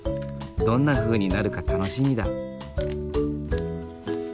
どんなふうになるか楽しみだ。